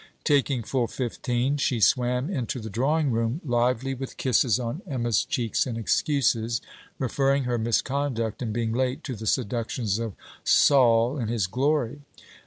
Taking full fifteen, she swam into the drawing room, lively with kisses on Emma's cheeks, and excuses, referring her misconduct in being late to the seductions of 'Sol' in his glory.